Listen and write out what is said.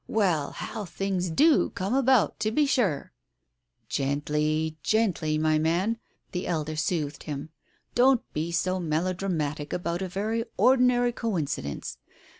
Well, how things do come about, to be sure !" "Gently, gently 1 my man," the elder soothed him. "Don't be so melodramatic about a very ordinary co incidence.